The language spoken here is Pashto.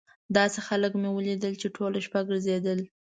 داسې خلک مې ولیدل چې ټوله شپه ګرځېدل.